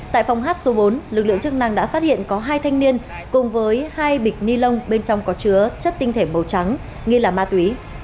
tại phòng hát số bốn lực lượng chức năng đã phát hiện có hai thanh niên cùng với hai bịch ni lông bên trong có chứa chất tinh thể màu trắng nghi là ma túy